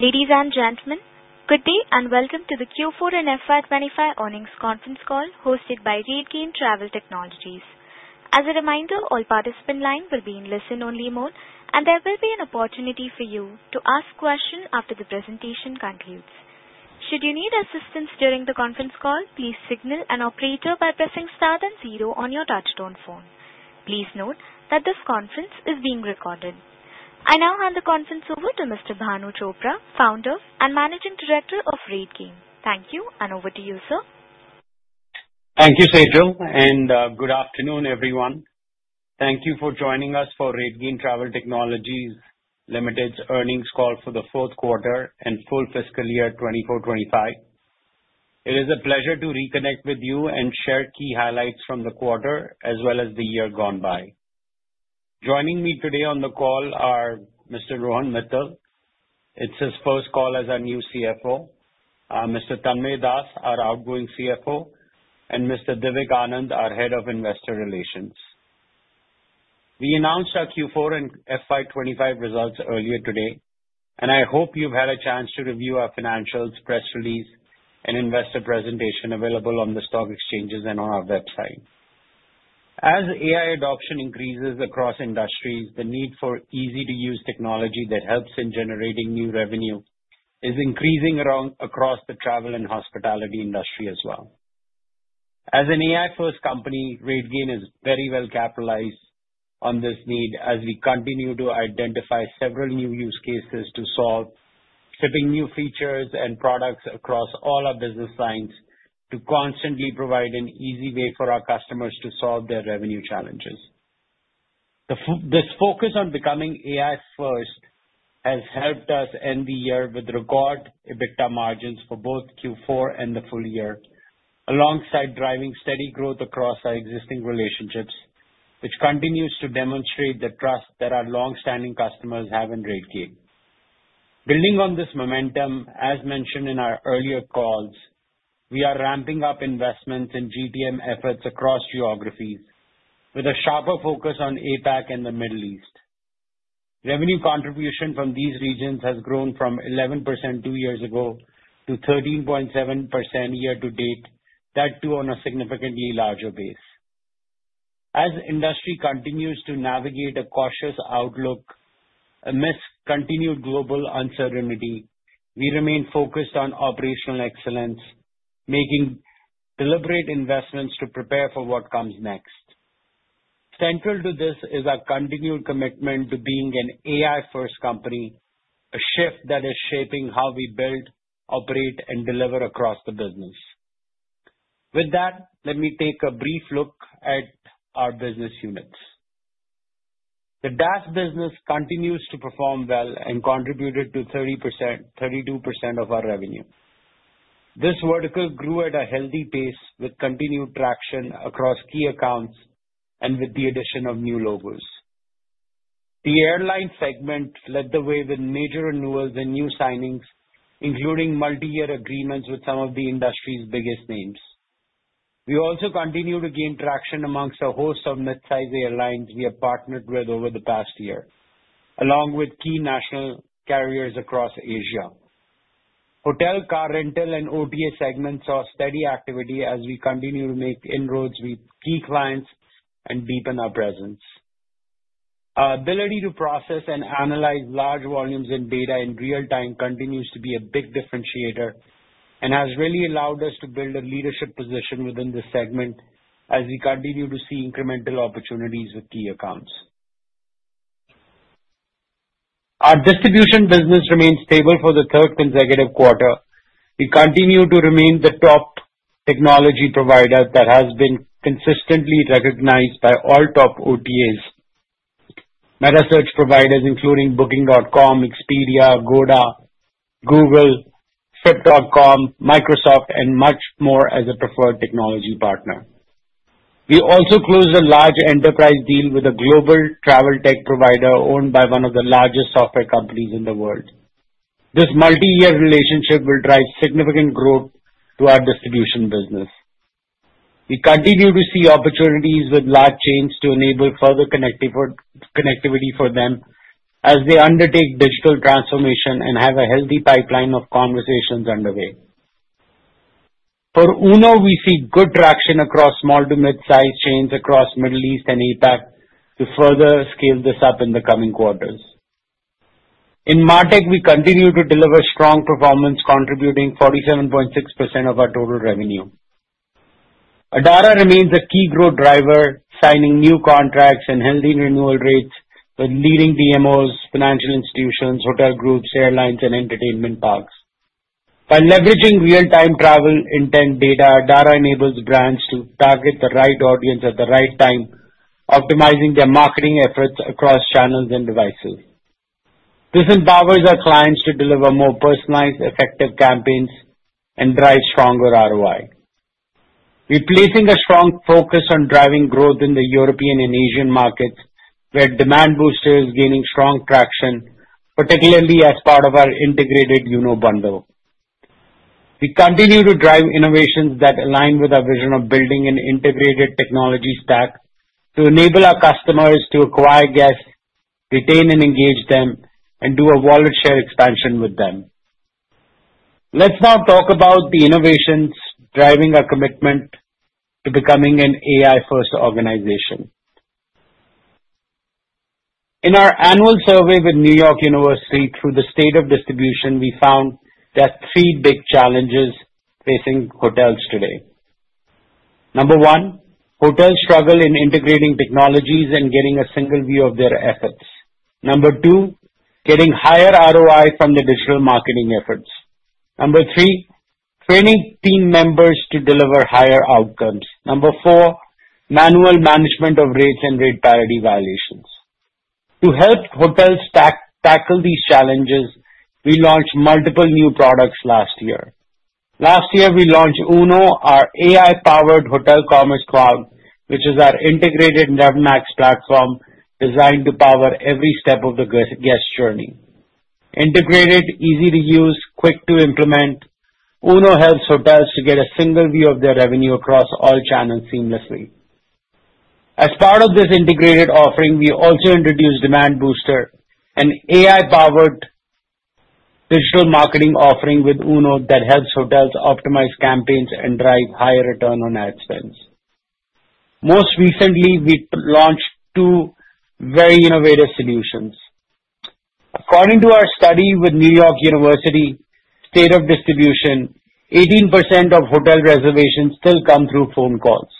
Ladies and gentlemen, good day and welcome to the Q4NFR25 earnings conference call hosted by RateGain Travel Technologies. As a reminder, all participant lines will be in listen-only mode, and there will be an opportunity for you to ask questions after the presentation concludes. Should you need assistance during the conference call, please signal an operator by pressing star then zero on your touch-tone phone. Please note that this conference is being recorded. I now hand the conference over to Mr. Bhanu Chopra, Founder and Managing Director of RateGain. Thank you, and over to you, sir. Thank you, Seijal, and good afternoon, everyone. Thank you for joining us for RateGain Travel Technologies' Limited Earnings Call for the Fourth Quarter and full Fiscal Year 2024-2025. It is a pleasure to reconnect with you and share key highlights from the quarter as well as the year gone by. Joining me today on the call are Mr. Rohan Mittal. It's his first call as a new CFO. Mr. Tanmaya Das is our outgoing CFO, and Mr. Vivek Anand is our Head of Investor Relations. We announced our Q4 and FY 2025 results earlier today, and I hope you've had a chance to review our financials, press release, and investor presentation available on the stock exchanges and on our website. As AI adoption increases across industries, the need for easy-to-use technology that helps in generating new revenue is increasing across the travel and hospitality industry as well. As an AI-first company, RateGain is very well capitalized on this need as we continue to identify several new use cases to solve, shipping new features and products across all our business lines, to constantly provide an easy way for our customers to solve their revenue challenges. This focus on becoming AI-first has helped us end the year with record EBITDA margins for both Q4 and the full year, alongside driving steady growth across our existing relationships, which continues to demonstrate the trust that our long standing customers have in RateGain. Building on this momentum, as mentioned in our earlier calls, we are ramping up investments in GTM efforts across geographies with a sharper focus on APAC and the Middle East. Revenue contribution from these regions has grown from 11% two years ago to 13.7% year to date, that too on a significantly larger base. As industry continues to navigate a cautious outlook amidst continued global uncertainty, we remain focused on operational excellence, making deliberate investments to prepare for what comes next. Central to this is our continued commitment to being an AI-first company, a shift that is shaping how we build, operate, and deliver across the business. With that, let me take a brief look at our business units. The DAS business continues to perform well and contributed to 32% of our revenue. This vertical grew at a healthy pace with continued traction across key accounts and with the addition of new logos. The airline segment led the way with major renewals and new signings, including multi-year agreements with some of the industry's biggest names. We also continue to gain traction amongst a host of mid-size airlines we have partnered with over the past year, along with key national carriers across Asia. Hotel, car rental, and OTA segments saw steady activity as we continue to make inroads with key clients and deepen our presence. Our ability to process and analyze large volumes and data in real time continues to be a big differentiator and has really allowed us to build a leadership position within this segment as we continue to see incremental opportunities with key accounts. Our distribution business remains stable for the third consecutive quarter. We continue to remain the top technology provider that has been consistently recognized by all top OTAs, Meta Search providers including Booking.com, Expedia, Google, Trip.com, Microsoft, and much more as a preferred technology partner. We also closed a large enterprise deal with a global travel tech provider owned by one of the largest software companies in the world. This multi-year relationship will drive significant growth to our distribution business. We continue to see opportunities with large chains to enable further connectivity for them as they undertake digital transformation and have a healthy pipeline of conversations underway. For Uno, we see good traction across small to mid-size chains across the Middle East and APAC to further scale this up in the coming quarters. In MarTech, we continue to deliver strong performance, contributing 47.6% of our total revenue. Adara remains a key growth driver, signing new contracts and healthy renewal rates with leading DMOs, financial institutions, hotel groups, airlines, and entertainment parks. By leveraging real-time travel intent data, Adara enables brands to target the right audience at the right time, optimizing their marketing efforts across channels and devices. This empowers our clients to deliver more personalized, effective campaigns and drive stronger ROI. We're placing a strong focus on driving growth in the European and Asian markets where Demand Booster is gaining strong traction, particularly as part of our integrated Uno bundle. We continue to drive innovations that align with our vision of building an integrated technology stack to enable our customers to acquire, guest, retain, and engage them, and do a wallet share expansion with them. Let's now talk about the innovations driving our commitment to becoming an AI-first organization. In our annual survey with New York University through the state of distribution, we found there are three big challenges facing hotels today. Number one, hotels struggle in integrating technologies and getting a single view of their efforts. Number two, getting higher ROI from the digital marketing efforts. Number three, training team members to deliver higher outcomes. Number four, manual management of rates and rate parity violations. To help hotels tackle these challenges, we launched multiple new products last year. Last year, we launched Uno, our AI-powered hotel commerce cloud, which is our integrated NetMax platform designed to power every step of the guest journey. Integrated, easy to use, quick to implement, Uno helps hotels to get a single view of their revenue across all channels seamlessly. As part of this integrated offering, we also introduced Demand Booster, an AI-powered digital marketing offering with Uno that helps hotels optimize campaigns and drive higher return on ad spends. Most recently, we launched two very innovative solutions. According to our study with New York University state of distribution, 18% of hotel reservations still come through phone calls.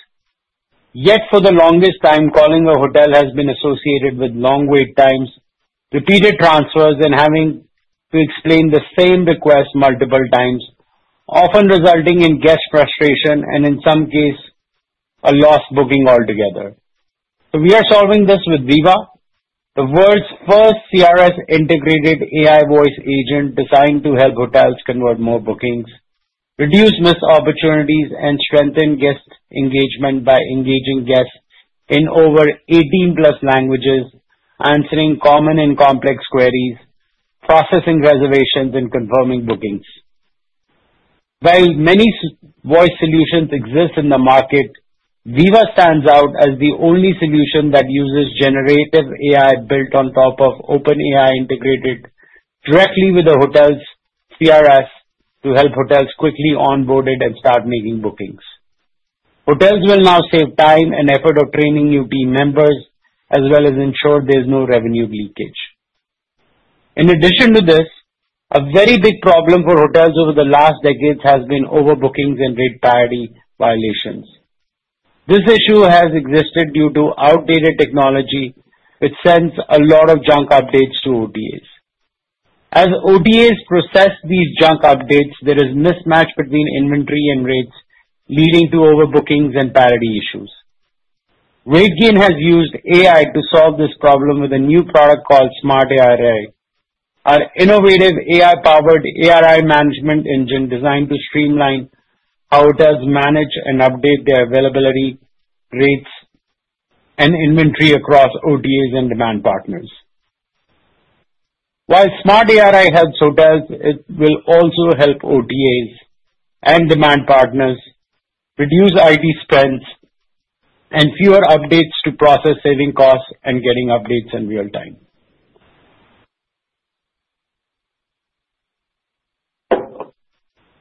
Yet for the longest time, calling a hotel has been associated with long wait times, repeated transfers, and having to explain the same request multiple times, often resulting in guest frustration and, in some cases, a lost booking altogether. We are solving this with Viva, the world's first CRS-integrated AI voice agent designed to help hotels convert more bookings, reduce missed opportunities, and strengthen guest engagement by engaging guests in over 18 plus languages, answering common and complex queries, processing reservations, and confirming bookings. While many voice solutions exist in the market, Viva stands out as the only solution that uses generative AI built on top of OpenAI integrated directly with the hotel's CRS to help hotels quickly onboard it and start making bookings. Hotels will now save time and effort of training new team members as well as ensure there is no revenue leakage. In addition to this, a very big problem for hotels over the last decades has been overbookings and rate parity violations. This issue has existed due to outdated technology, which sends a lot of junk updates to OTAs. As OTAs process these junk updates, there is mismatch between inventory and rates, leading to overbookings and parity issues. RateGain has used AI to solve this problem with a new product called SmartARI, our innovative AI-powered ARI management engine designed to streamline how hotels manage and update their availability, rates, and inventory across OTAs and demand partners. While SmartARI helps hotels, it will also help OTAs and demand partners reduce IT spends and fewer updates to process saving costs and getting updates in real time.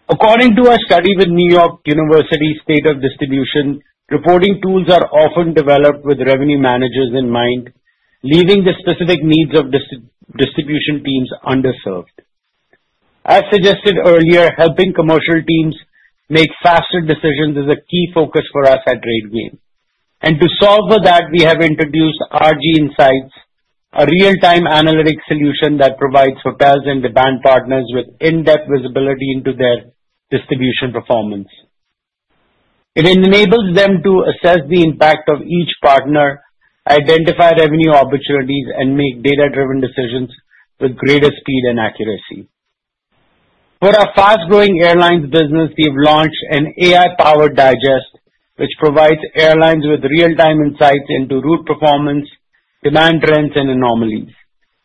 According to our study with New York University state of distribution, reporting tools are often developed with revenue managers in mind, leaving the specific needs of distribution teams underserved. As suggested earlier, helping commercial teams make faster decisions is a key focus for us at RateGain. To solve for that, we have introduced RG Insights, a real-time analytics solution that provides hotels and demand partners with in-depth visibility into their distribution performance. It enables them to assess the impact of each partner, identify revenue opportunities, and make data-driven decisions with greater speed and accuracy. For our fast-growing airlines business, we have launched an AI-powered digest, which provides airlines with real-time insights into route performance, demand trends, and anomalies.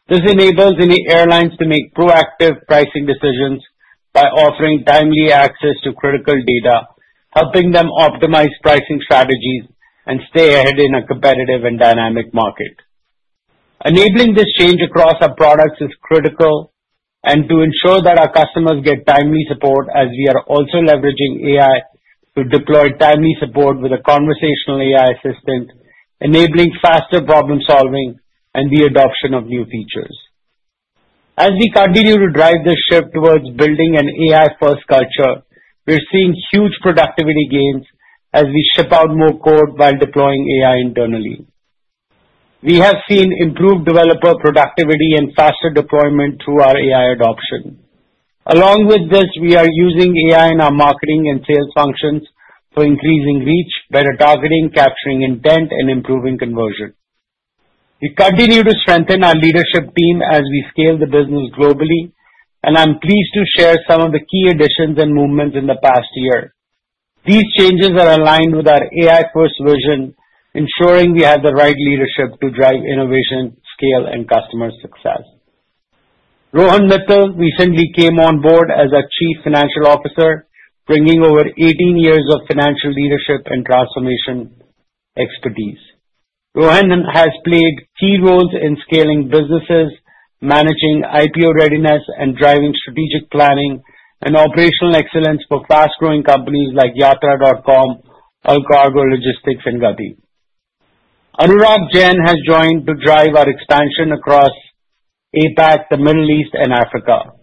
This enables airlines to make proactive pricing decisions by offering timely access to critical data, helping them optimize pricing strategies and stay ahead in a competitive and dynamic market. Enabling this change across our products is critical, and to ensure that our customers get timely support, we are also leveraging AI to deploy timely support with a conversational AI assistant, enabling faster problem-solving and the adoption of new features. As we continue to drive this shift towards building an AI-first culture, we're seeing huge productivity gains as we ship out more code while deploying AI internally. We have seen improved developer productivity and faster deployment through our AI adoption. Along with this, we are using AI in our marketing and sales functions for increasing reach, better targeting, capturing intent, and improving conversion. We continue to strengthen our leadership team as we scale the business globally, and I'm pleased to share some of the key additions and movements in the past year. These changes are aligned with our AI-first vision, ensuring we have the right leadership to drive innovation, scale, and customer success. Rohan Mittal recently came on board as our Chief Financial Officer, bringing over 18 years of financial leadership and transformation expertise. Rohan has played key roles in scaling businesses, managing IPO readiness, and driving strategic planning and operational excellence for fast-growing companies like Yatra.com, Allcargo Logistics, and Guthy. Anurag Jain has joined to drive our expansion across APAC, the Middle East, and Africa.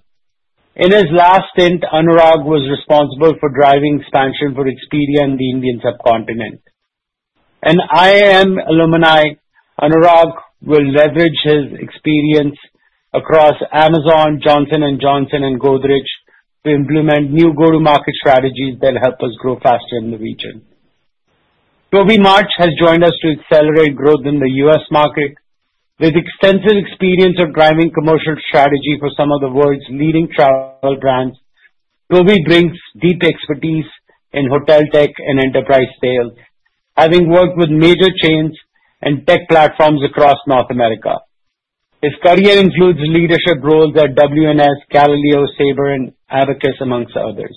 In his last stint, Anurag was responsible for driving expansion for Expedia in the Indian subcontinent. An IIM alumnus, Anurag will leverage his experience across Amazon, Johnson & Johnson, and Godrej to implement new go-to-market strategies that help us grow faster in the region. Toby March has joined us to accelerate growth in the U.S. market. With extensive experience of driving commercial strategy for some of the world's leading travel brands, Toby brings deep expertise in hotel tech and enterprise sales, having worked with major chains and tech platforms across North America. His career includes leadership roles at W&S, Kalaleo, Sabre, and Abacus, amongst others.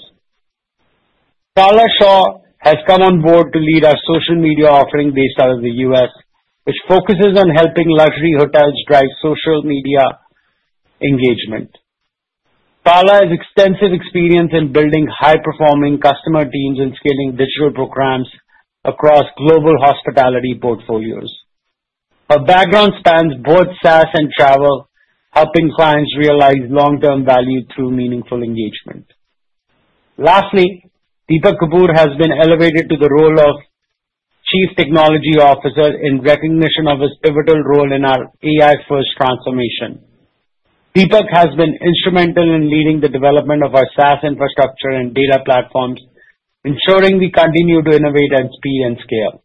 Sala Shaw has come on board to lead our social media offering based out of the U.S., which focuses on helping luxury hotels drive social media engagement. Sala has extensive experience in building high-performing customer teams and scaling digital programs across global hospitality portfolios. Her background spans both SaaS and travel, helping clients realize long-term value through meaningful engagement. Lastly, Deepak Kapoor has been elevated to the role of Chief Technology Officer in recognition of his pivotal role in our AI-first transformation. Deepak has been instrumental in leading the development of our SaaS infrastructure and data platforms, ensuring we continue to innovate at speed and scale.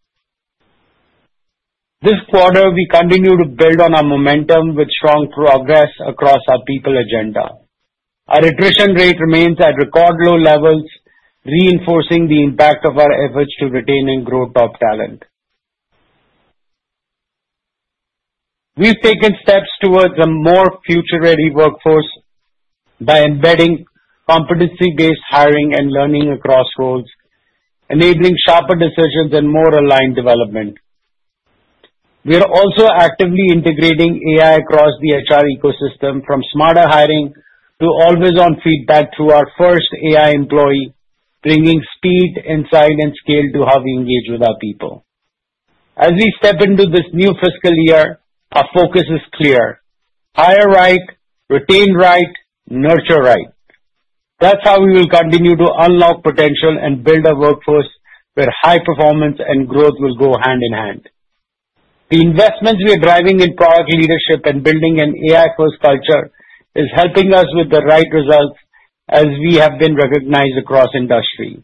This quarter, we continue to build on our momentum with strong progress across our people agenda. Our attrition rate remains at record low levels, reinforcing the impact of our efforts to retain and grow top talent. We've taken steps towards a more future-ready workforce by embedding competency-based hiring and learning across roles, enabling sharper decisions and more aligned development. We are also actively integrating AI across the HR ecosystem, from smarter hiring to always-on feedback through our first AI employee, bringing speed, insight, and scale to how we engage with our people. As we step into this new fiscal year, our focus is clear: hire right, retain right, nurture right. That's how we will continue to unlock potential and build a workforce where high performance and growth will go hand in hand. The investments we are driving in product leadership and building an AI-first culture are helping us with the right results as we have been recognized across industry.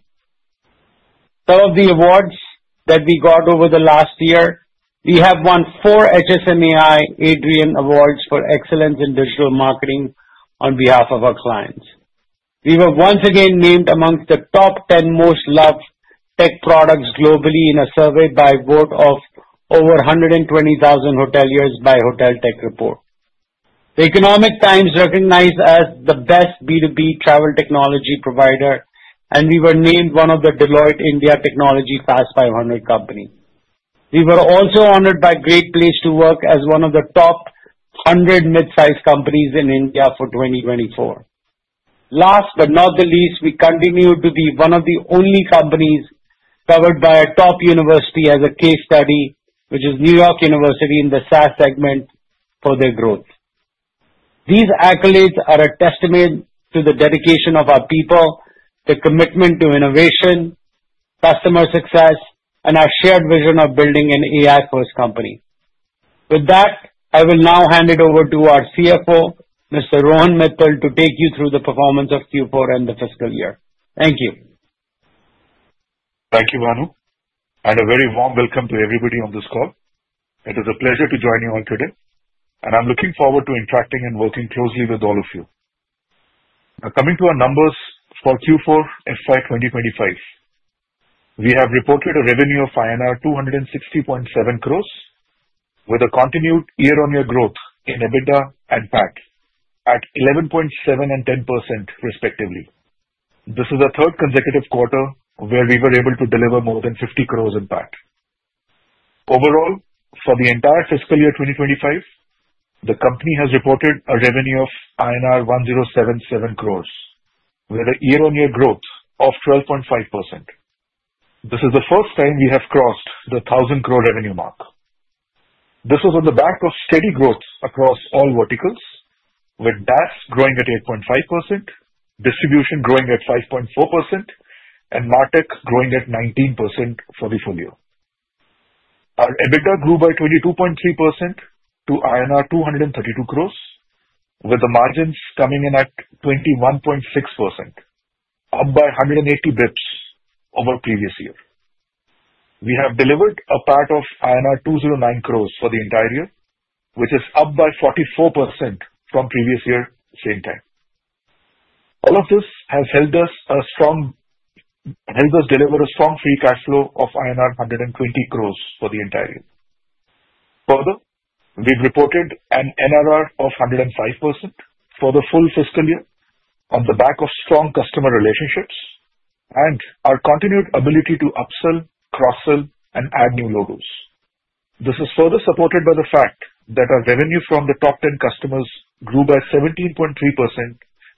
Some of the awards that we got over the last year, we have won four HSMAI Adrian Awards for excellence in digital marketing on behalf of our clients. We were once again named amongst the top 10 most loved tech products globally in a survey by a vote of over 120,000 hoteliers by Hotel Tech Report. The Economic Times recognized us as the best B2B travel technology provider, and we were named one of the Deloitte India Technology Fast 500 companies. We were also honored by Great Place to Work as one of the top 100 mid-sized companies in India for 2024. Last but not the least, we continue to be one of the only companies covered by a top university as a case study, which is New York University in the SaaS segment for their growth. These accolades are a testament to the dedication of our people, the commitment to innovation, customer success, and our shared vision of building an AI-first company. With that, I will now hand it over to our CFO, Mr. Rohan Mittal, to take you through the performance of Q4 and the fiscal year. Thank you. Thank you, Manu. And a very warm welcome to everybody on this call. It is a pleasure to join you all today, and I'm looking forward to interacting and working closely with all of you. Coming to our numbers for Q4 FY 2025, we have reported a revenue of INR 2,607,000,000 crore with a continued year-on-year growth in EBITDA and PAT at 11.7% and 10%, respectively. This is the third consecutive quarter where we were able to deliver more than 500,000,000 crore impact. Overall, for the entire Fiscal Year 2025, the company has reported a revenue of INR 10,770,000,000 crore, with a year-on-year growth of 12.5%. This is the first time we have crossed the 10,000,000,000 crore revenue mark. This was on the back of steady growth across all verticals, with DAS growing at 8.5%, distribution growing at 5.4%, and MarTech growing at 19% for the full year. Our EBITDA grew by 22.3% to INR 2,320,000,000 crore, with the margins coming in at 21.6%, up by 180 basis points over previous year. We have delivered a part of INR 209 crore for the entire year, which is up by 44% from previous year same time. All of this has helped us deliver a strong free cash flow of INR 120 crore for the entire year. Further, we've reported an NRR of 105% for the full fiscal year on the back of strong customer relationships and our continued ability to upsell, cross-sell, and add new logos. This is further supported by the fact that our revenue from the top 10 customers grew by 17.3%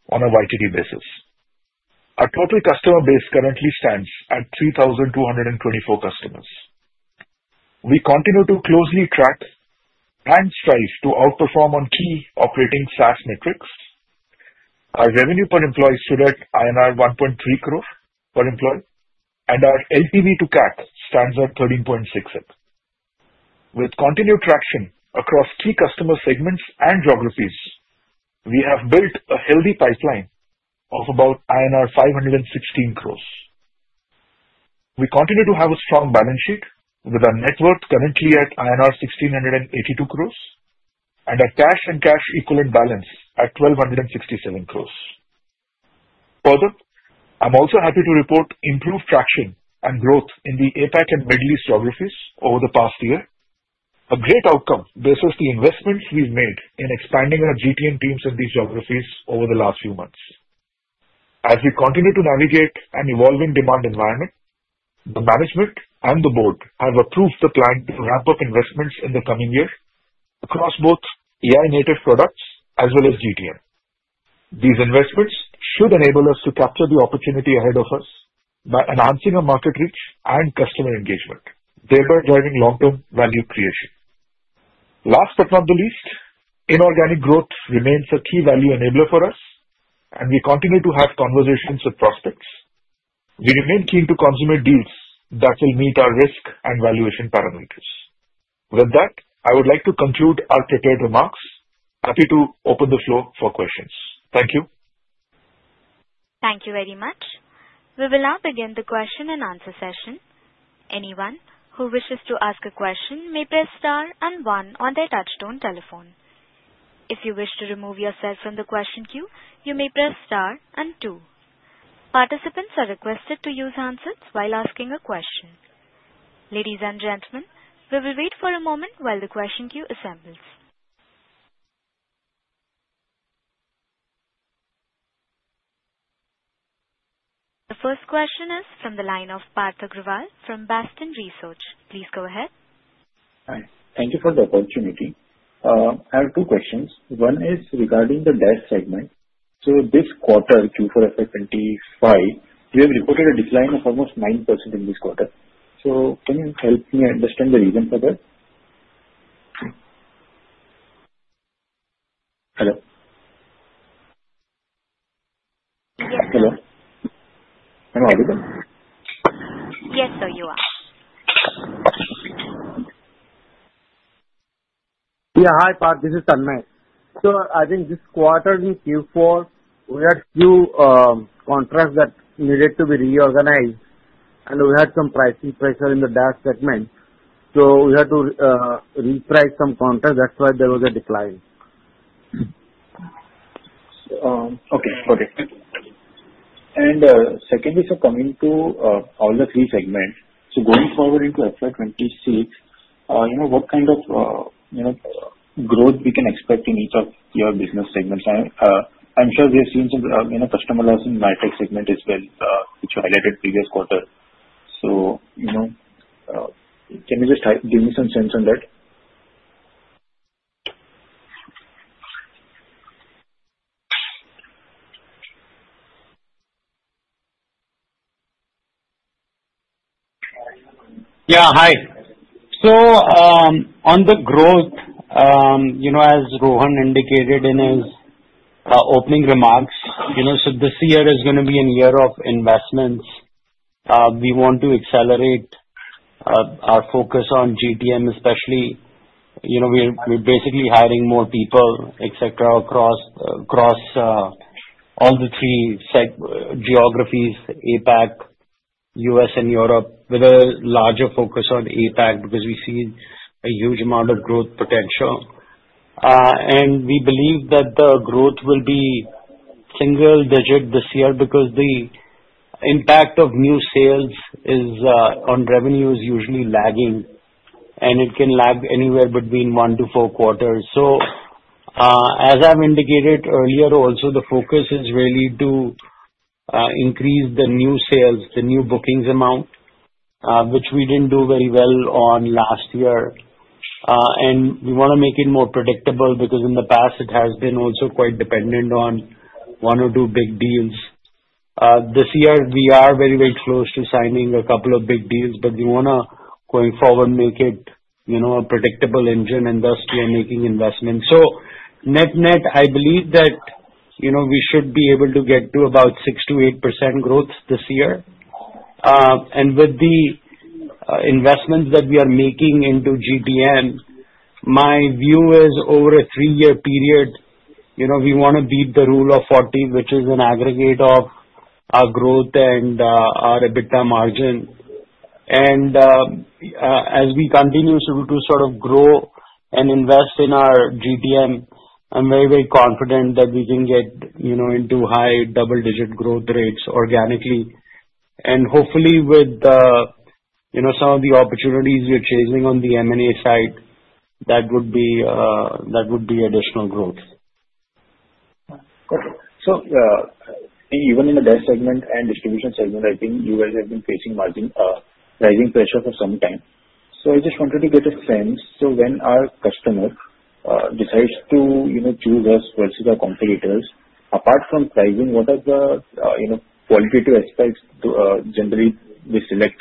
on a YTD basis. Our total customer base currently stands at 3,224 customers. We continue to closely track and strive to outperform on key operating SaaS metrics. Our revenue per employee stood at INR 1.3 crore for employee, and our LTV to CAC stands at 13.67 crore. With continued traction across key customer segments and geographies, we have built a healthy pipeline of about INR 516 crore. We continue to have a strong balance sheet with our net worth currently at INR 1,682 crore and our cash and cash equivalent balance at 1,267 crore. Further, I'm also happy to report improved traction and growth in the APAC and Middle East geographies over the past year. A great outcome based on the investments we've made in expanding our GTM teams in these geographies over the last few months. As we continue to navigate an evolving demand environment, the management and the board have approved the plan to ramp up investments in the coming year across both AI-led products as well as GTM. These investments should enable us to capture the opportunity ahead of us by enhancing our market reach and customer engagement, thereby driving long-term value creation. Last but not the least, inorganic growth remains a key value enabler for us, and we continue to have conversations with prospects. We remain keen to consummate deals that will meet our risk and valuation parameters. With that, I would like to conclude our prepared remarks. Happy to open the floor for questions. Thank you. Thank you very much. We will now begin the question and answer session. Anyone who wishes to ask a question may press star and one on their touch-tone telephone. If you wish to remove yourself from the question queue, you may press star and two. Participants are requested to use handsets while asking a question. Ladies and gentlemen, we will wait for a moment while the question queue assembles. The first question is from the line of Parth Agrawal from Bashton Research. Please go ahead. Thank you for the opportunity. I have two questions. One is regarding the DAS segment. This quarter, Q4 FY 2025, we have reported a decline of almost 9% in this quarter. Can you help me understand the reason for that? Hello? Am I audible? Y Yes, sir, you are. Yeah, hi, Parth. This is Tanmaya. I think this quarter, in Q4, we had a few contracts that needed to be reorganized, and we had some pricing pressure in the DAS segment. We had to reprice some contracts. That is why there was a decline. Okay, got it. Secondly, coming to all the three segments, going forward into FY 2026, what kind of growth can we expect in each of your business segments? I am sure we have seen some customer loss in the MarTech segment as well, which you highlighted previous quarter. Can you just give me some sense on that? Yeah, hi. On the growth, as Rohan indicated in his opening remarks, this year is going to be a year of investments. We want to accelerate our focus on GTM, especially we're basically hiring more people, et cetera., across all the three geographies, APAC, U.S., and Europe, with a larger focus on APAC because we see a huge amount of growth potential. We believe that the growth will be single-digit this year because the impact of new sales on revenue is usually lagging, and it can lag anywhere between one to four quarters. As I've indicated earlier, also the focus is really to increase the new sales, the new bookings amount, which we didn't do very well on last year. We want to make it more predictable because in the past, it has been also quite dependent on one or two big deals. This year, we are very, very close to signing a couple of big deals, but we want to, going forward, make it a predictable engine, and thus we are making investments. NetNet, I believe that we should be able to get to about 6% to 8% growth this year. With the investments that we are making into GTN, my view is over a three-year period, we want to beat the rule of 40, which is an aggregate of our growth and our EBITDA margin. As we continue to sort of grow and invest in our GTN, I'm very, very confident that we can get into high double-digit growth rates organically. Hopefully, with some of the opportunities we're chasing on the M&A side, that would be additional growth. Even in the DAS segment and distribution segment, I think you guys have been facing rising pressure for some time. I just wanted to get a sense when our customer decides to choose us versus our competitors, apart from pricing, what are the qualitative aspects generally they select?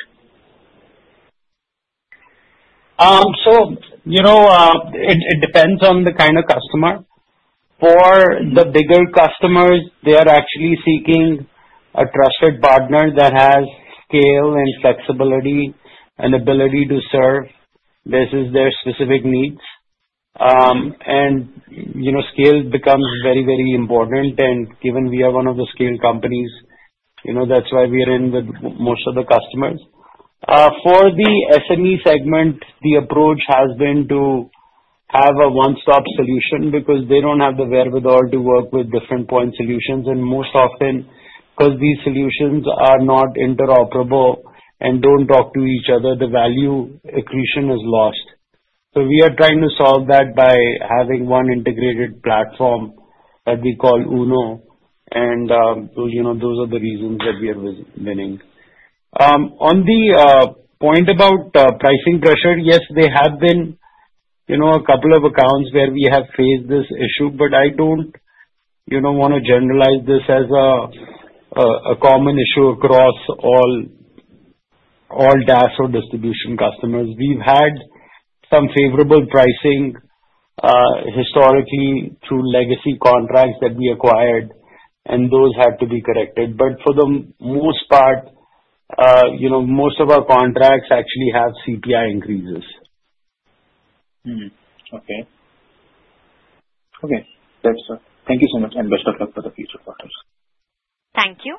It depends on the kind of customer. For the bigger customers, they are actually seeking a trusted partner that has scale and flexibility and ability to serve versus their specific needs. Scale becomes very, very important. Given we are one of the scale companies, that is why we are in with most of the customers. For the SME segment, the approach has been to have a one-stop solution because they do not have the wherewithal to work with different point solutions. Most often, because these solutions are not interoperable and do not talk to each other, the value accretion is lost. We are trying to solve that by having one integrated platform that we call Uno. Those are the reasons that we are winning. On the point about pricing pressure, yes, there have been a couple of accounts where we have faced this issue, but I do not want to generalize this as a common issue across all DAS or distribution customers. We have had some favorable pricing historically through legacy contracts that we acquired, and those had to be corrected. For the most part, most of our contracts actually have CPI increases. Okay. Okay. That is all. Thank you so much, and best of luck for the future quarters. Thank you.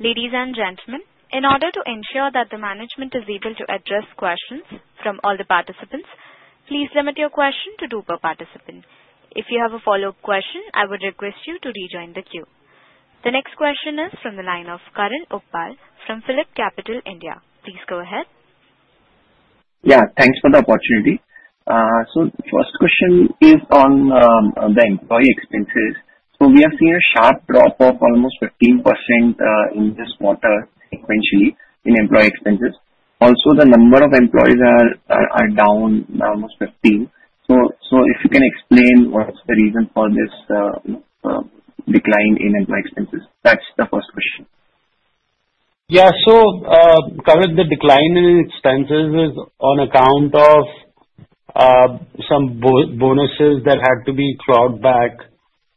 Ladies and gentlemen, in order to ensure that the management is able to address questions from all the participants, please limit your question to two per participant. If you have a follow-up question, I would request you to rejoin the queue. The next question is from the line of Karan Uppa Phillip Capital India. Please go ahead. Yeah, thanks for the opportunity. So the first question is on the employee expenses. So we have seen a sharp drop of almost 15% in this quarter sequentially in employee expenses. Also, the number of employees are down almost 15. So if you can explain what's the reason for this decline in employee expenses. That's the first question. Yeah, so currently, the decline in expenses is on account of some bonuses that had to be clawed back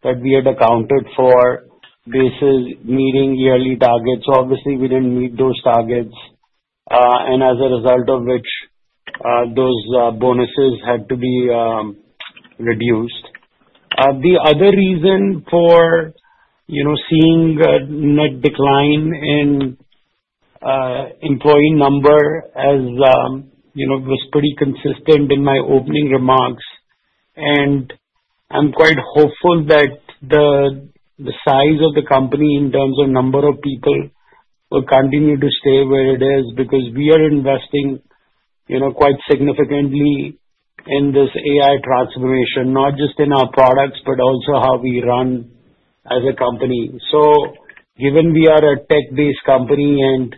that we had accounted for basis meeting yearly targets. Obviously, we didn't meet those targets, and as a result of which, those bonuses had to be reduced. The other reason for seeing a net decline in employee number was pretty consistent in my opening remarks. I am quite hopeful that the size of the company in terms of number of people will continue to stay where it is because we are investing quite significantly in this AI transformation, not just in our products, but also how we run as a company. Given we are a tech-based company and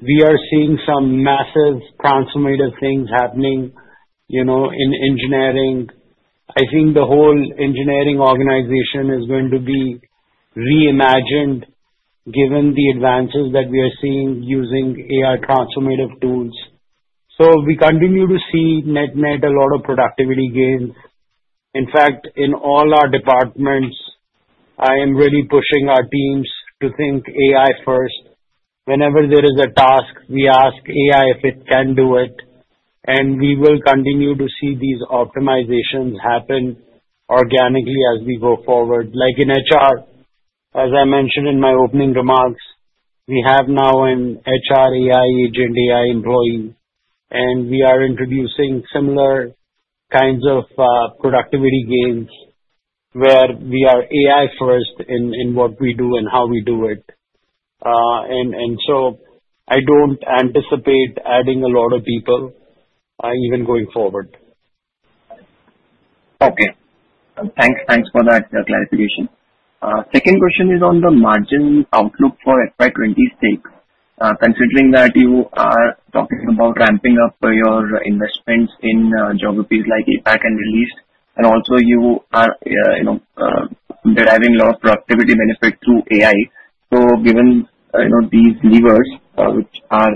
we are seeing some massive transformative things happening in engineering, I think the whole engineering organization is going to be reimagined given the advances that we are seeing using AI transformative tools. We continue to see NetNet a lot of productivity gains. In fact, in all our departments, I am really pushing our teams to think AI-first. Whenever there is a task, we ask AI if it can do it. We will continue to see these optimizations happen organically as we go forward. Like in HR, as I mentioned in my opening remarks, we have now an HR AI agent, AI employee, and we are introducing similar kinds of productivity gains where we are AI first in what we do and how we do it. I do not anticipate adding a lot of people even going forward. Okay. Thanks for that clarification. Second question is on the margin outlook for FY 2026. Considering that you are talking about ramping up your investments in geographies like APAC and Middle East, and also you are deriving a lot of productivity benefit through AI. Given these levers, which are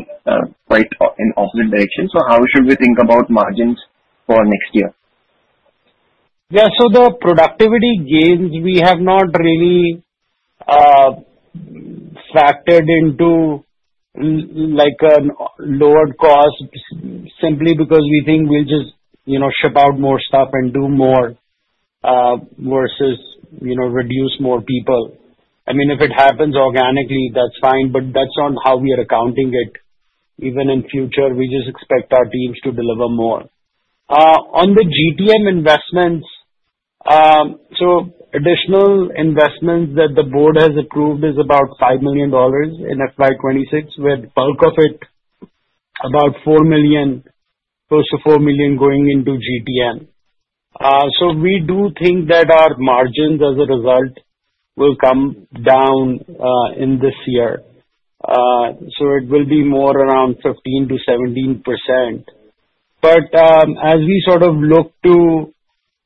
quite in opposite direction, how should we think about margins for next year? Yeah, so the productivity gains, we have not really factored into lowered costs simply because we think we'll just ship out more stuff and do more versus reduce more people. I mean, if it happens organically, that's fine, but that's not how we are accounting it. Even in future, we just expect our teams to deliver more. On the GTM investments, additional investments that the board has approved is about $5 million in FY 2026, with bulk of it about close to $4 million going into GTM. We do think that our margins as a result will come down in this year. It will be more around 15% to 17%. As we sort of look to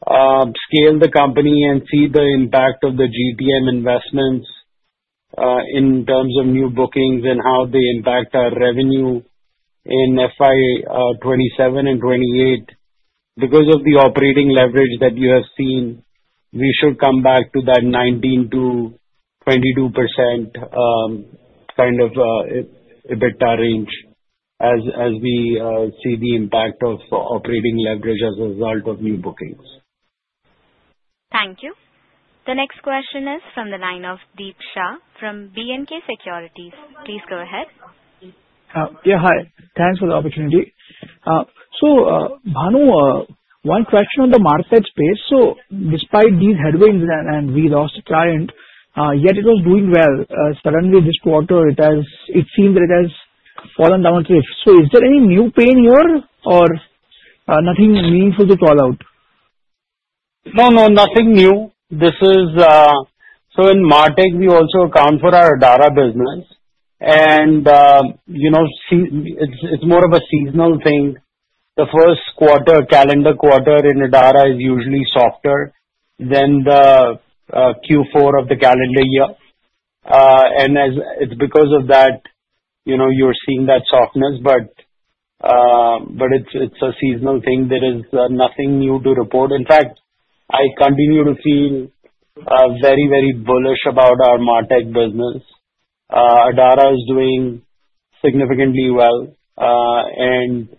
scale the company and see the impact of the GTM investments in terms of new bookings and how they impact our revenue in FY 2027 and 2028, because of the operating leverage that you have seen, we should come back to that 19% to 22% kind of EBITDA range as we see the impact of operating leverage as a result of new bookings. Thank you. The next question is from the line of Deep Shah from BNK Securities. Please go ahead. Yeah, hi. Thanks for the opportunity. So Bhanu, one question on the market space. Despite these headwinds and we lost a client, yet it was doing well. Suddenly, this quarter, it seems that it has fallen down a little bit. Is there any new pain here or nothing meaningful to call out? No, no, nothing new. In MarTech, we also account for our Adara business. It is more of a seasonal thing. The first quarter, calendar quarter in Adara is usually softer than the Q4 of the calendar year. It is because of that you are seeing that softness, but it is a seasonal thing. There is nothing new to report. In fact, I continue to feel very, very bullish about our MarTech business. Adara is doing significantly well. Barring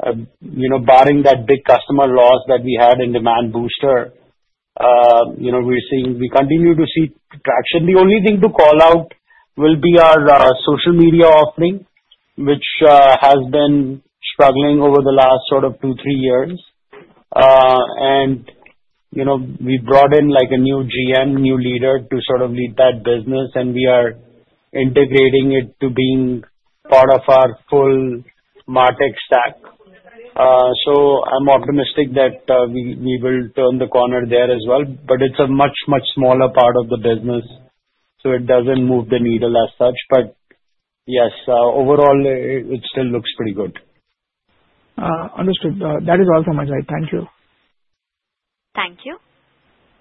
that big customer loss that we had in Demand Booster, we continue to see traction. The only thing to call out will be our social media offering, which has been struggling over the last sort of two, three years. We brought in a new GM, new leader to sort of lead that business, and we are integrating it to being part of our full MarTech stack. I'm optimistic that we will turn the corner there as well. It is a much, much smaller part of the business, so it does not move the needle as such. Yes, overall, it still looks pretty good. Understood. That is all from my side. Thank you. Thank you.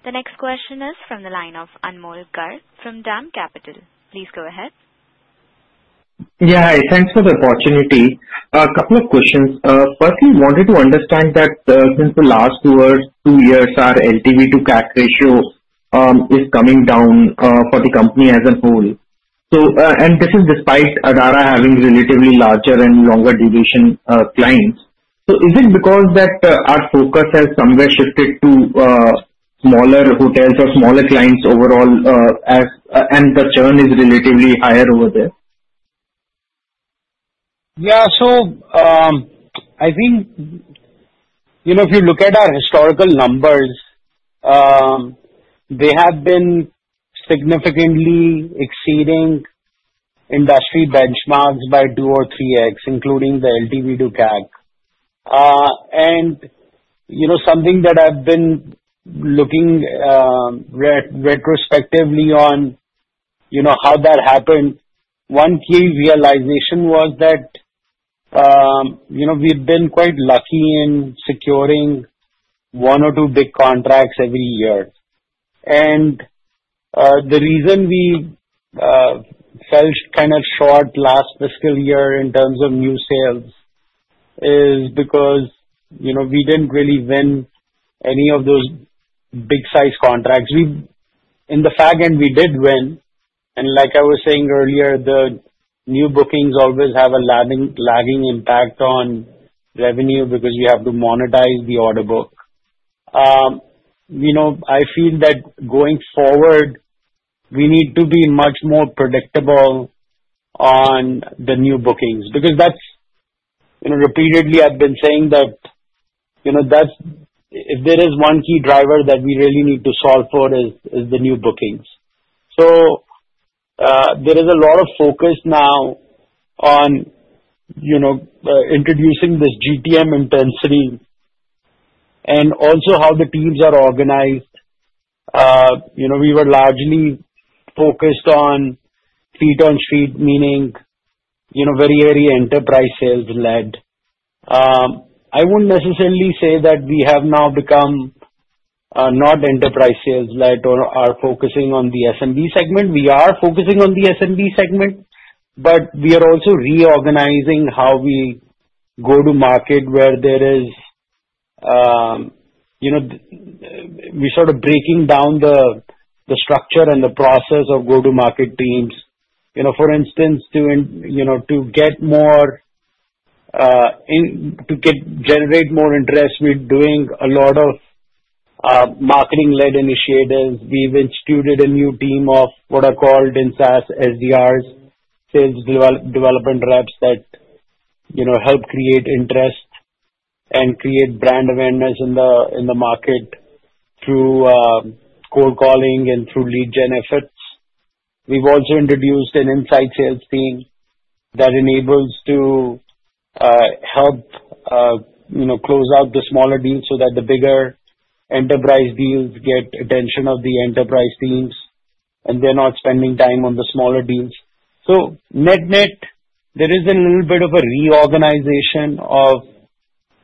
The next question is from the line of Anmol Garg from Dam Capital. Please go ahead. Yeah, hi. Thanks for the opportunity. A couple of questions. Firstly, I wanted to understand that since the last two years, our LTV to CAC ratio is coming down for the company as a whole. This is despite Adara having relatively larger and longer duration clients. Is it because our focus has somewhere shifted to smaller hotels or smaller clients overall, and the churn is relatively higher over there? Yeah. I think if you look at our historical numbers, they have been significantly exceeding industry benchmarks by two or three X, including the LTV to CAC. Something that I've been looking retrospectively on how that happened, one key realization was that we've been quite lucky in securing one or two big contracts every year. The reason we felt kind of short last fiscal year in terms of new sales is because we didn't really win any of those big-sized contracts. In the fact that we did win, and like I was saying earlier, the new bookings always have a lagging impact on revenue because we have to monetize the order book. I feel that going forward, we need to be much more predictable on the new bookings because that's repeatedly I've been saying that if there is one key driver that we really need to solve for is the new bookings. There is a lot of focus now on introducing this GTM intensity and also how the teams are organized. We were largely focused on feet on street, meaning very enterprise sales-led. I wouldn't necessarily say that we have now become not enterprise sales-led or are focusing on the SMB segment. We are focusing on the SMB segment, but we are also reorganizing how we go to market where we're sort of breaking down the structure and the process of go-to-market teams. For instance, to generate more interest, we're doing a lot of marketing-led initiatives. We've instituted a new team of what are called in SaaS SDRs, sales development reps that help create interest and create brand awareness in the market through cold calling and through lead gen efforts. We've also introduced an inside sales team that enables to help close out the smaller deals so that the bigger enterprise deals get attention of the enterprise teams, and they're not spending time on the smaller deals. NetNet, there is a little bit of a reorganization of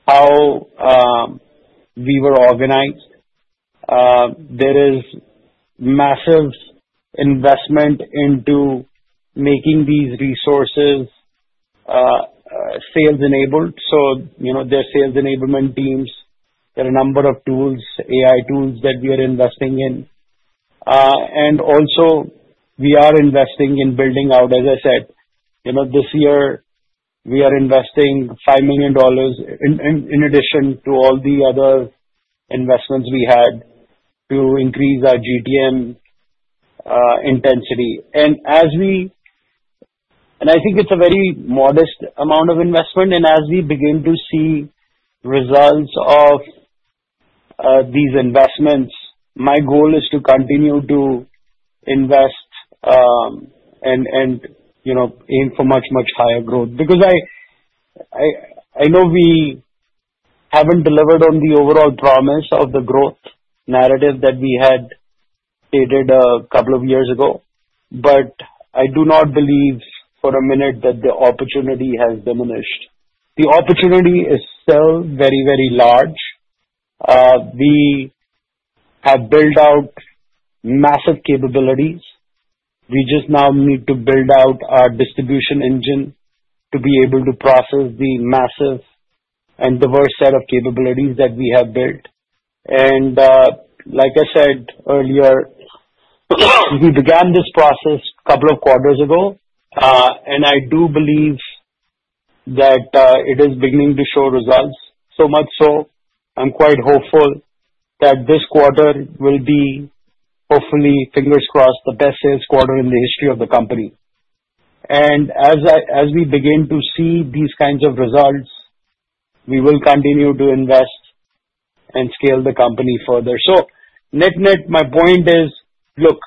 how we were organized. There is massive investment into making these resources sales-enabled. There are sales enablement teams. There are a number of tools, AI tools that we are investing in. Also, we are investing in building out, as I said, this year, we are investing $5 million in addition to all the other investments we had to increase our GTM intensity. I think it's a very modest amount of investment. As we begin to see results of these investments, my goal is to continue to invest and aim for much, much higher growth because I know we haven't delivered on the overall promise of the growth narrative that we had stated a couple of years ago. I do not believe for a minute that the opportunity has diminished. The opportunity is still very, very large. We have built out massive capabilities. We just now need to build out our distribution engine to be able to process the massive and diverse set of capabilities that we have built. Like I said earlier, we began this process a couple of quarters ago, and I do believe that it is beginning to show results. So much so, I'm quite hopeful that this quarter will be, hopefully, fingers crossed, the best sales quarter in the history of the company. As we begin to see these kinds of results, we will continue to invest and scale the company further. NetNet, my point is, look,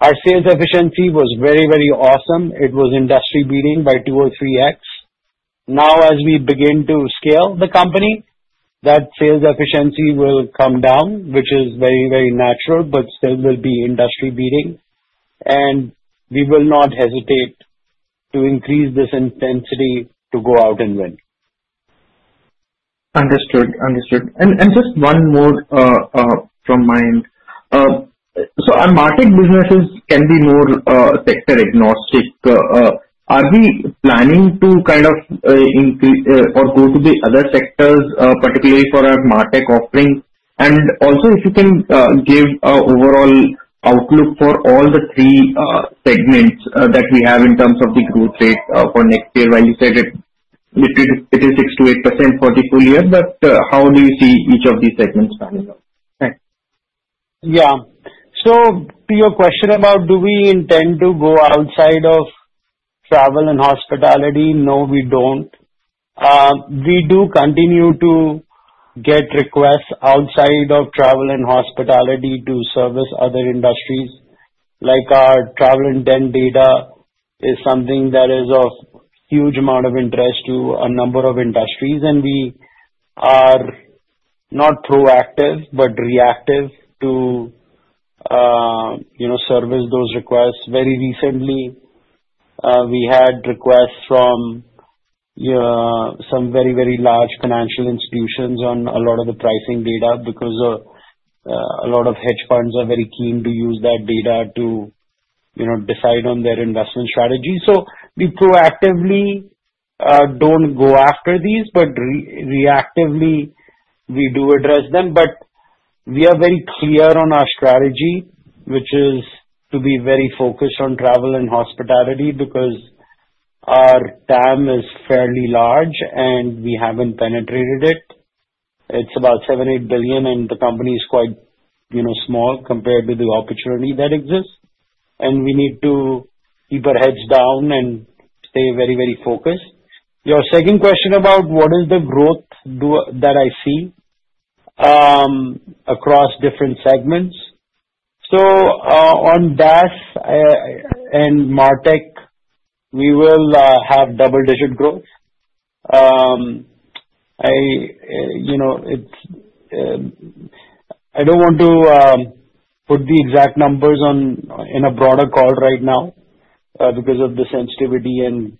our sales efficiency was very, very awesome. It was industry-beating by two or three X. Now, as we begin to scale the company, that sales efficiency will come down, which is very, very natural, but still will be industry-beating. We will not hesitate to increase this intensity to go out and win. Understood. Understood. Just one more from my end. Our MarTech businesses can be more sector-agnostic. Are we planning to kind of go to the other sectors, particularly for our MarTech offering? If you can give an overall outlook for all the three segments that we have in terms of the growth rate for next year, while you said it is 6% to 8% for the full year, how do you see each of these segments coming up? Okay. Yeah. To your question about do we intend to go outside of travel and hospitality, no, we don't. We do continue to get requests outside of travel and hospitality to service other industries. Like our travel intent data is something that is of huge amount of interest to a number of industries. We are not proactive, but reactive to service those requests. Very recently, we had requests from some very, very large financial institutions on a lot of the pricing data because a lot of hedge funds are very keen to use that data to decide on their investment strategy. We proactively don't go after these, but reactively, we do address them. We are very clear on our strategy, which is to be very focused on travel and hospitality because our TAM is fairly large, and we have not penetrated it. It is about $7 billion to $8 billion, and the company is quite small compared to the opportunity that exists. We need to keep our heads down and stay very, very focused. Your second question about what is the growth that I see across different segments? On DAS and MarTech, we will have double-digit growth. I do not want to put the exact numbers in a broader call right now because of the sensitivity and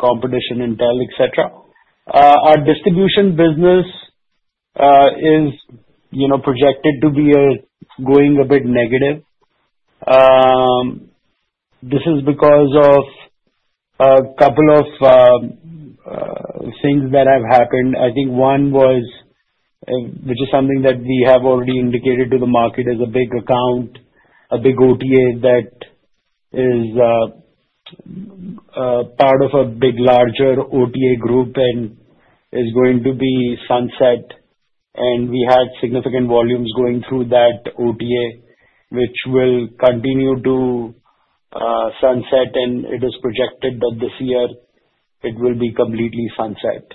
competition intel, et cetera. Our distribution business is projected to be going a bit negative. This is because of a couple of things that have happened. I think one was, which is something that we have already indicated to the market, is a big account, a big OTA that is part of a big larger OTA group and is going to be sunset. We had significant volumes going through that OTA, which will continue to sunset, and it is projected that this year, it will be completely sunset.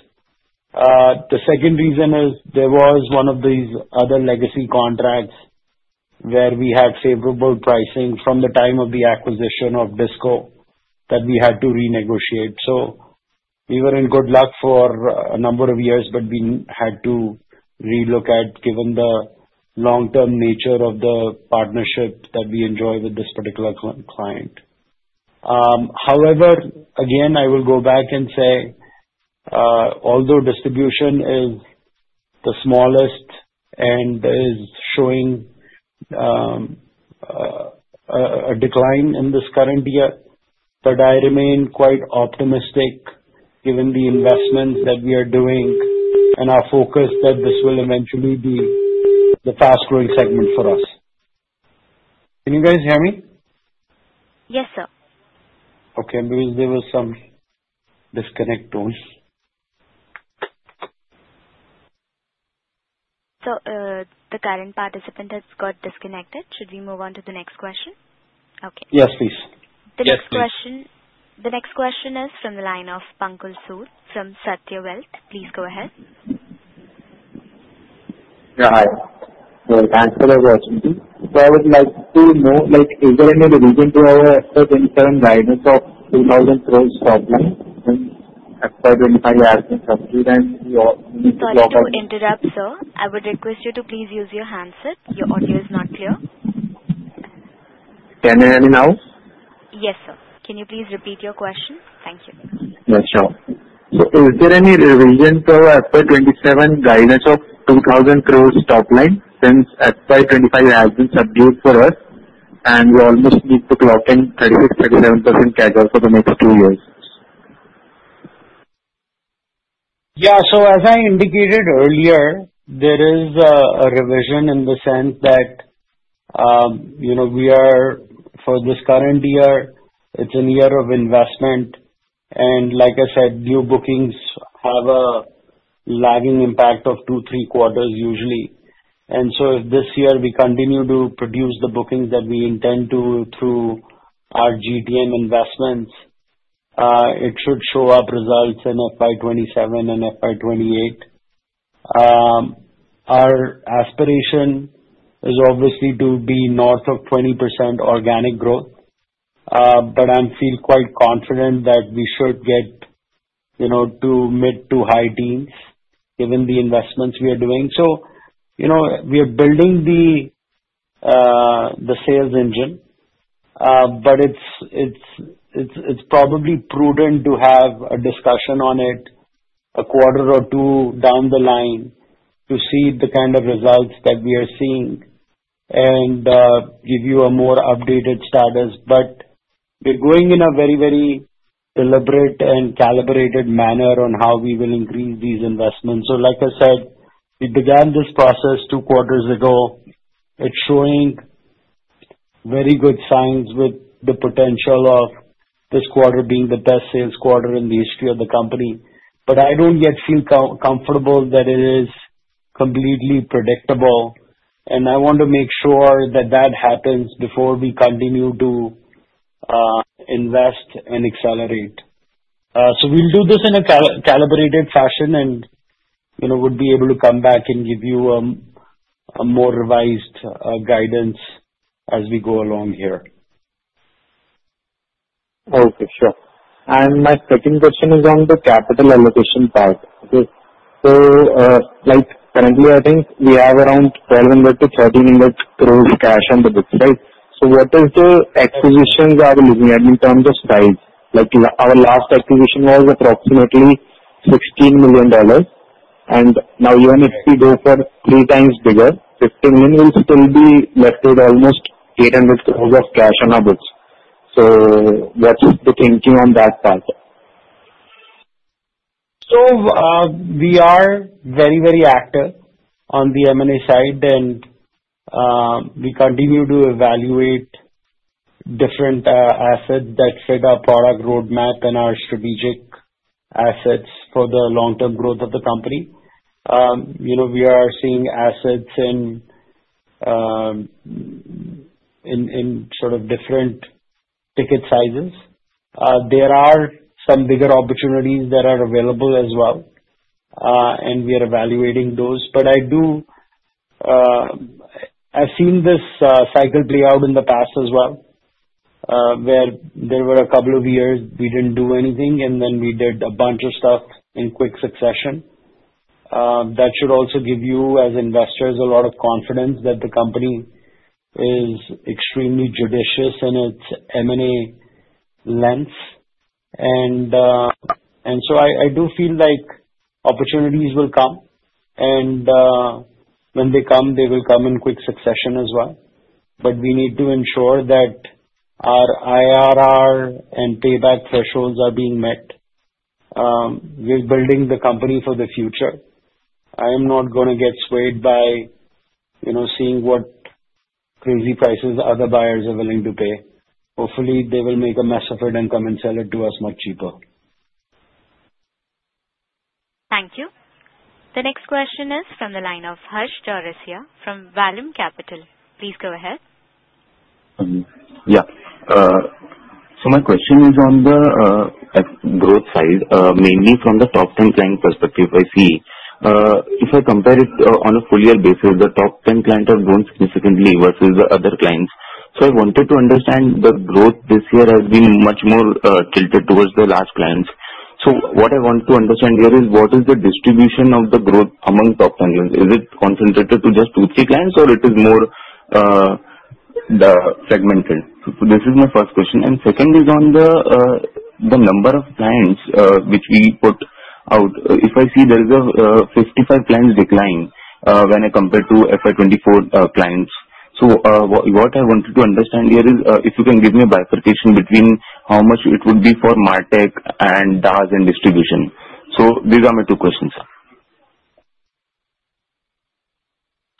The second reason is there was one of these other legacy contracts where we had favorable pricing from the time of the acquisition of Disco that we had to renegotiate. We were in good luck for a number of years, but we had to relook at given the long-term nature of the partnership that we enjoy with this particular client. However, again, I will go back and say, although distribution is the smallest and is showing a decline in this current year, I remain quite optimistic given the investments that we are doing and our focus that this will eventually be the fast-growing segment for us. Can you guys hear me? Yes, sir Okay. There was some disconnect to us. The current participant has got disconnected. Should we move on to the next question? Okay. Yes, please. The next question is from the line of Pankaj Soot from Satyawelt. Please go ahead. Yeah. Hi. Thanks for the opportunity. I would like to know, is there any reason to our external guidance of INR 2,000 crore top line and FY 2025 admin subsidy? We need to go back. Please interrupt, sir. I would request you to please use your handset. Your audio is not clear. Can I have any now? Yes, sir. Can you please repeat your question? Thank you. Yes, sure. Is there any reason to our FY 2027 guidance of INR 2,000 crore top line since FY 2025 admin subsidy for us, and we almost need to clock in 36-37% cash out for the next two years? Yeah. As I indicated earlier, there is a revision in the sense that for this current year, it is a year of investment. Like I said, new bookings have a lagging impact of two to three quarters usually. If this year we continue to produce the bookings that we intend to through our GTM investments, it should show up results in FY 2027 and FY 2028. Our aspiration is obviously to be north of 20% organic growth, but I feel quite confident that we should get to mid to high teens given the investments we are doing. We are building the sales engine, but it is probably prudent to have a discussion on it a quarter or two down the line to see the kind of results that we are seeing and give you a more updated status. We are going in a very, very deliberate and calibrated manner on how we will increase these investments. Like I said, we began this process two quarters ago. It's showing very good signs with the potential of this quarter being the best sales quarter in the history of the company. I don't yet feel comfortable that it is completely predictable. I want to make sure that that happens before we continue to invest and accelerate. We'll do this in a calibrated fashion and would be able to come back and give you a more revised guidance as we go along here. Okay. Sure. My second question is on the capital allocation part. Currently, I think we have around 120,000,000 to 130,000,000 crore cash on the books, right? What acquisitions are we looking at in terms of size? Our last acquisition was approximately $16 million. Now, even if we go for three times bigger, $15 million will still be left with almost 800 crore of cash on our books. What's the thinking on that part? We are very, very active on the M&A side, and we continue to evaluate different assets that fit our product roadmap and our strategic assets for the long-term growth of the company. We are seeing assets in sort of different ticket sizes. There are some bigger opportunities that are available as well, and we are evaluating those. I've seen this cycle play out in the past as well, where there were a couple of years we did not do anything, and then we did a bunch of stuff in quick succession. That should also give you, as investors, a lot of confidence that the company is extremely judicious in its M&A lens. I do feel like opportunities will come. When they come, they will come in quick succession as well. We need to ensure that our IRR and payback thresholds are being met. We're building the company for the future. I am not going to get swayed by seeing what crazy prices other buyers are willing to pay. Hopefully, they will make a mess of it and come and sell it to us much cheaper. Thank you. The next question is from the line of Hash Darasia from Vallum Capital. Please go ahead. Yeah. My question is on the growth side, mainly from the top-10 client perspective. I see if I compare it on a full-year basis, the top-10 clients have grown significantly versus the other clients. I wanted to understand, the growth this year has been much more tilted towards the large clients. What I want to understand here is what is the distribution of the growth among top-10 clients? Is it concentrated to just two or three clients, or is it more segmented? This is my first question. Second is on the number of clients which we put out. If I see, there is a 55 clients decline when I compare to FY 2024 clients. What I wanted to understand here is if you can give me a bifurcation between how much it would be for MarTech and DAS and distribution. These are my two questions.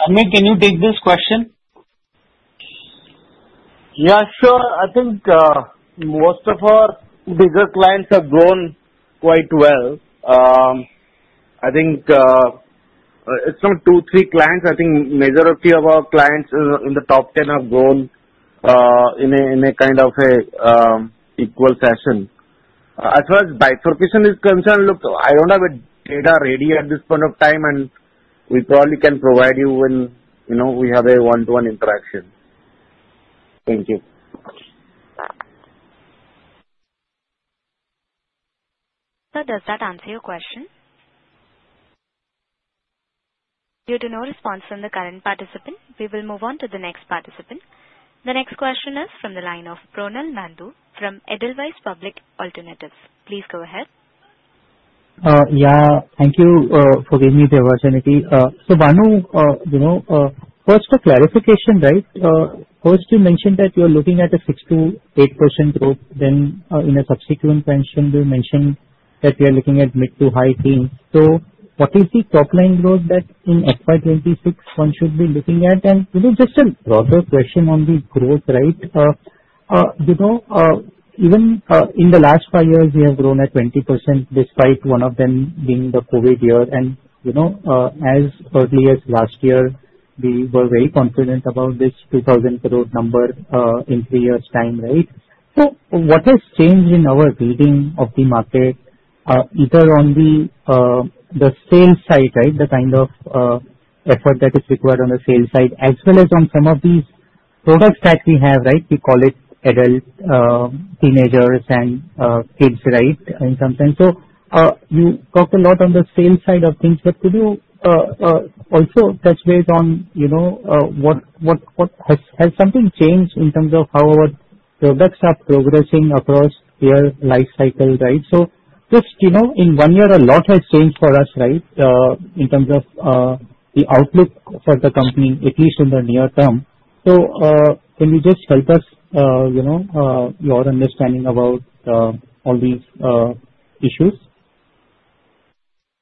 Sunny, can you take this question? Yes, sir. I think most of our bigger clients have grown quite well. It is not two or three clients. I think majority of our clients in the top 10 have grown in a kind of equal fashion. As far as bifurcation is concerned, look, I don't have data ready at this point of time, and we probably can provide you when we have a one-to-one interaction. Thank you. Sir, does that answer your question? Due to no response from the current participant, we will move on to the next participant. The next question is from the line of Pranal Nandu from Edelweiss Public Alternatives. Please go ahead. Yeah. Thank you for giving me the opportunity. So Bhanu, first a clarification, right? First, you mentioned that you're looking at a 6% to 8% growth. Then in a subsequent question, you mentioned that you're looking at mid to high teens. What is the top-line growth that in FY 2026 one should be looking at? Just a broader question on the growth, right? Even in the last five years, we have grown at 20% despite one of them being the COVID year. As early as last year, we were very confident about this 3,000 crore number in three years' time, right? What has changed in our reading of the market, either on the sales side, the kind of effort that is required on the sales side, as well as on some of these products that we have, right? We call it adult, teenagers, and kids, right, in some sense. You talked a lot on the sales side of things, but could you also touch base on what has something changed in terms of how our products are progressing across year life cycle, right? Just in one year, a lot has changed for us, in terms of the outlook for the company, at least in the near term. Can you just help us your understanding about all these issues?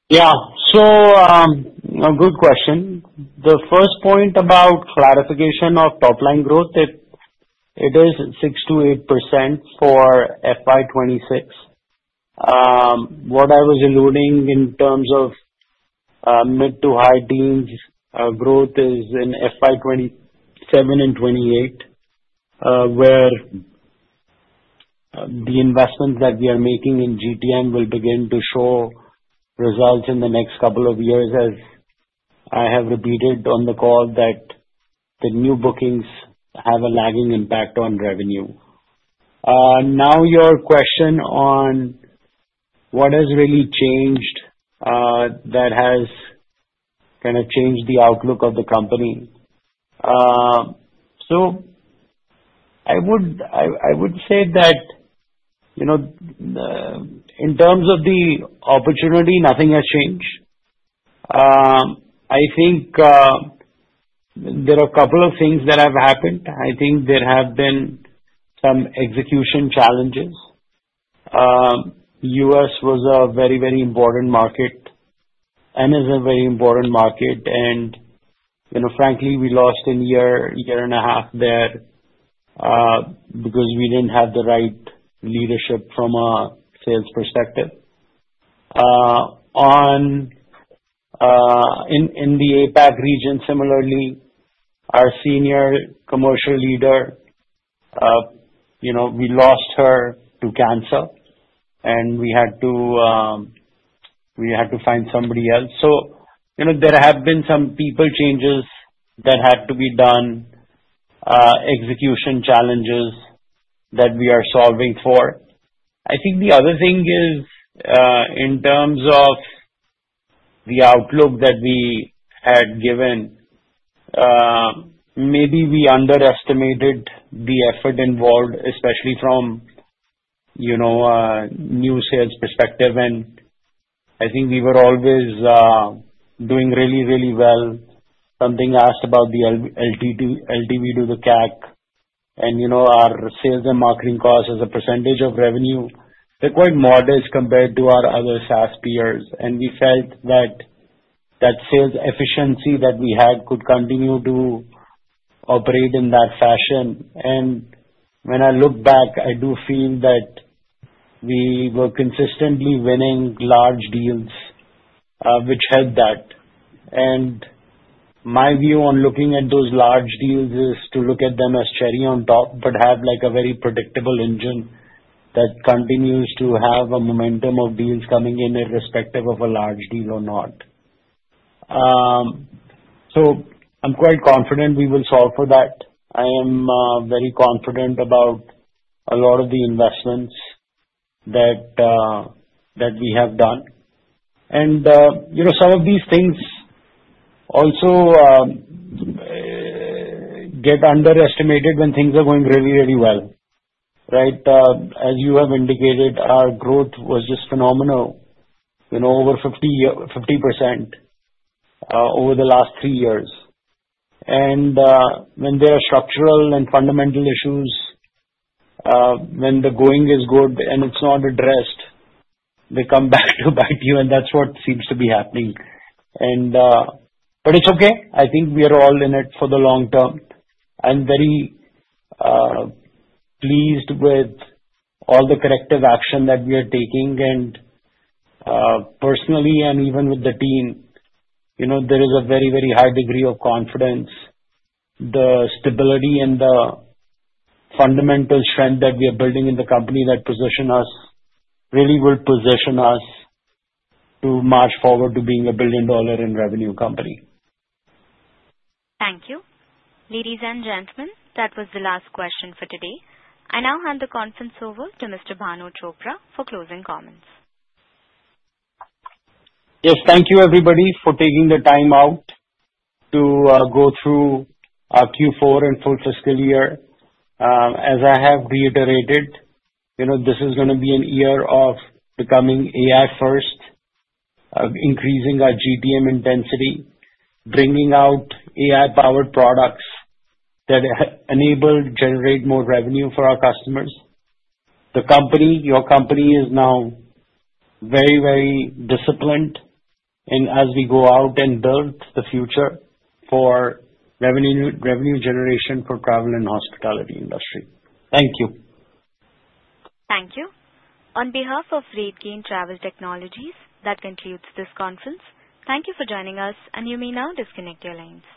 Yeah. A good question. The first point about clarification of top-line growth, it is 6-8% for FY2026. What I was alluding in terms of mid to high-teens growth is in FY 2027 and 2028, where the investments that we are making in GTM will begin to show results in the next couple of years, as I have repeated on the call that the new bookings have a lagging impact on revenue. Now, your question on what has really changed that has kind of changed the outlook of the company. I would say that in terms of the opportunity, nothing has changed. I think there are a couple of things that have happened. I think there have been some execution challenges. U.S. was a very, very important market and is a very important market. Frankly, we lost a year, year and a half there because we did not have the right leadership from a sales perspective. In the APAC region, similarly, our senior commercial leader, we lost her to cancer, and we had to find somebody else. There have been some people changes that had to be done, execution challenges that we are solving for. I think the other thing is in terms of the outlook that we had given, maybe we underestimated the effort involved, especially from a new sales perspective. I think we were always doing really, really well. Something asked about the LTV to CAC, and our sales and marketing cost as a percentage of revenue, they are quite modest compared to our other SaaS peers. We felt that sales efficiency that we had could continue to operate in that fashion. When I look back, I do feel that we were consistently winning large deals, which helped that. My view on looking at those large deals is to look at them as cherry on top, but have a very predictable engine that continues to have a momentum of deals coming in, irrespective of a large deal or not. I am quite confident we will solve for that. I am very confident about a lot of the investments that we have done. Some of these things also get underestimated when things are going really, really well, right? As you have indicated, our growth was just phenomenal, over 50% over the last three years. When there are structural and fundamental issues, when the going is good and it is not addressed, they come back to bite you, and that is what seems to be happening. It is okay. I think we are all in it for the long term. I'm very pleased with all the corrective action that we are taking. Personally, and even with the team, there is a very, very high degree of confidence. The stability and the fundamental strength that we are building in the company that position us really will position us to march forward to being a billion-dollar-in-revenue company. Thank you. Ladies and gentlemen, that was the last question for today. I now hand the conference over to Mr. Bhanu Chopra for closing comments. Yes. Thank you, everybody, for taking the time out to go through Q4 and full Fiscal Year. As I have reiterated, this is going to be a year of becoming AI-first, increasing our GTM intensity, bringing out AI-powered products that enable generating more revenue for our customers. Your company is now very, very disciplined in as we go out and build the future for revenue generation for travel and hospitality industry. Thank you. Thank you. On behalf of RateGain Travel Technologies, that concludes this conference. Thank you for joining us, and you may now disconnect your lines.